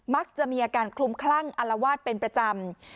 มักจะมีอาการคลุมคลั่งอลวาดเป็นประจำ